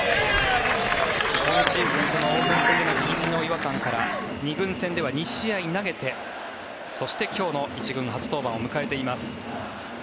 今シーズン、オープン戦でのひじの違和感から２軍戦では２試合投げてそして今日の１軍初登板を迎えています。